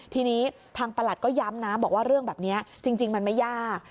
ทีนี้ทางประหลัดก็ย้ำนะบอกว่าเรื่องแบบนี้จริงมันไม่ยาก